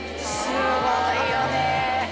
すごいよね。